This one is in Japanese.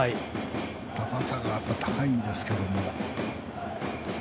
高さが高いんですけど。